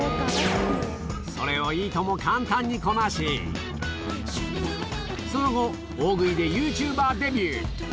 それをいとも簡単にこなし、その後、大食いでユーチューバーデビュー。